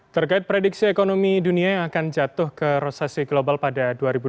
terkait prediksi ekonomi dunia yang akan jatuh ke resesi global pada dua ribu dua puluh